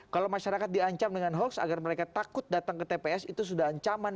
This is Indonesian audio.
kalau masyarakat diancam dengan hoax agar mereka takut datang ke tps itu sudah ancaman